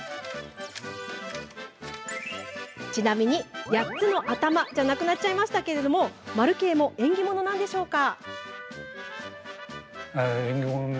ちなみに８つの頭じゃなくなっちゃいましたけど丸系も縁起物なんでしょうか？